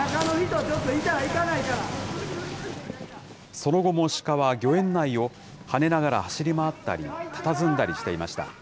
その後もシカは御苑内を跳ねながら走り回ったり、たたずんだりしていました。